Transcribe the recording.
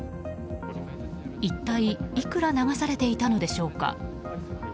一体いくら流されていたのでしょうか？